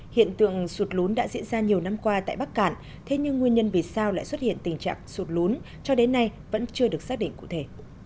hiện tượng sụt lún đã diễn ra nhiều năm qua tại bắc cạn thế nhưng nguyên nhân vì sao lại xuất hiện tình trạng sụt lún cho đến nay vẫn chưa được xác định cụ thể